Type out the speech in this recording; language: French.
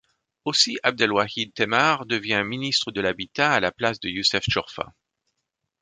Aussi, Abdelwahid Temmar devient ministre de l'Habitat à la place de Youssef Chorfa.